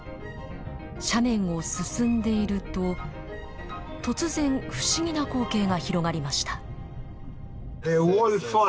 斜面を進んでいると突然不思議な光景が広がりました。